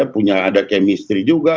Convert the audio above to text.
punya ada kemistri juga